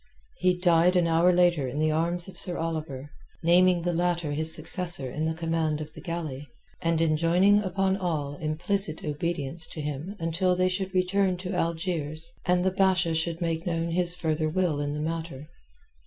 He died an hour later in the arms of Sir Oliver, naming the latter his successor in the command of the galley, and enjoining upon all implicit obedience to him until they should be returned to Algiers and the Basha should make known his further will in the matter.